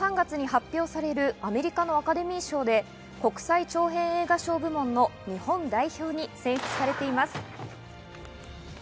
来年３月に発表されるアメリカのアカデミー賞で国際長編映画賞部門の日本代表に選出されています。